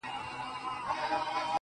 o كومه يوه خپله كړم.